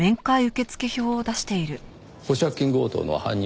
保釈金強盗の犯人